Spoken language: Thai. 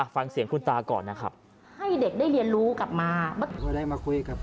ฟังเสียงคุณตาก่อนนะครับ